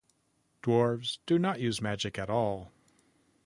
Dwarves do not use magic at all.